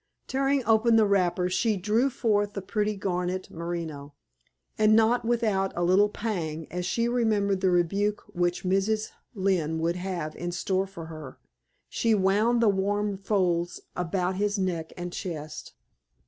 Tearing open the wrapper, she drew forth the pretty garnet merino, and not without a little pang, as she remembered the rebuke which Mrs. Lynne would have in store for her, she wound the warm folds about his neck and chest.